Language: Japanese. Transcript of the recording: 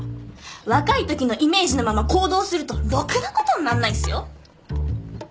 若いときのイメージのまま行動するとろくなことになんないっすよ。